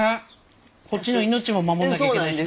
こっちの命も守らなきゃいけないしね。